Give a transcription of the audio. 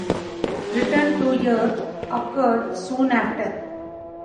Return to Earth occurred soon after.